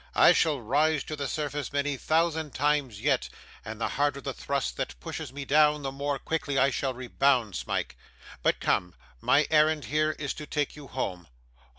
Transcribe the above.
I shall rise to the surface many thousand times yet, and the harder the thrust that pushes me down, the more quickly I shall rebound, Smike. But come; my errand here is to take you home.